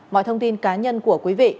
mọi thông tin cá nhân của quý vị